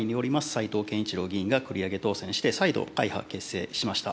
齊藤健一郎議員が繰り上げ当選して、再度、会派を結成しました。